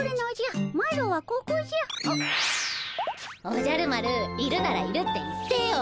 おじゃる丸いるならいるって言ってよ。